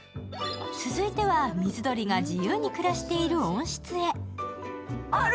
続いては水鳥が自由に暮らしている温室へ。